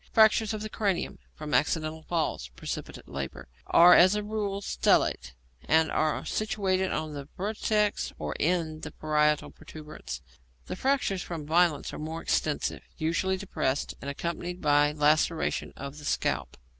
Fractures of the cranium from accidental falls (precipitate labour) are as a rule stellate, and are situated on the vertex or in the parietal protuberance. The fractures from violence are more extensive, usually depressed, and accompanied by laceration of the scalp.